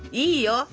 いいよ！